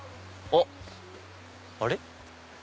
あっあれ？